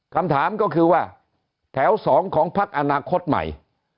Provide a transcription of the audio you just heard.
คำถามก็คือว่าแถว๒ของพักอนาคตใหม่